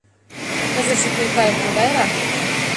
Кызытше Тулкаев могайрак?